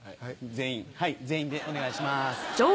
・全員でお願いします。